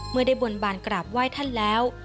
เมื่อได้บนบานกราบไหว้ท่านแล้ว